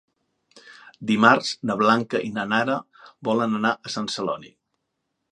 Dimarts na Blanca i na Nara volen anar a Sant Celoni.